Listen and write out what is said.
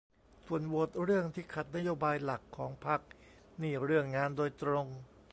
ส่วนโหวตเรื่องที่ขัดนโยบายหลักของพรรคนี่เรื่องงานโดยตรง